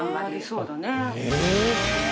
そうだね。